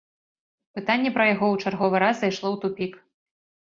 Пытанне пра яго ў чарговы раз зайшло ў тупік.